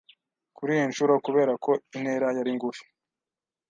Kuriyi nshuro, kubera ko intera yari ngufi,